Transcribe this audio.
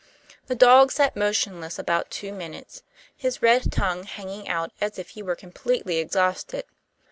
The dog sat motionless about two minutes, his red tongue hanging out as if he were completely exhausted.